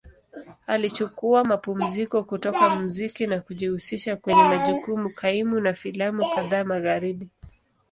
Alichukua mapumziko kutoka muziki na kujihusisha kwenye majukumu kaimu na filamu kadhaa Magharibi.